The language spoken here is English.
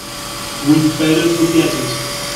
We'd better forget it.